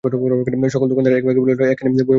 সকল দোকানদার একবাক্যে বলিল, একখানি বইও বিক্রয় হয় নাই।